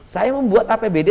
saya membuat apbd